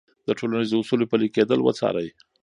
د ټولنیزو اصولو پلي کېدل وڅارئ.